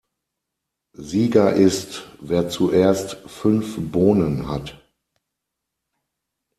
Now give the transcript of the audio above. Sieger ist wer zuerst fünf Bohnen hat.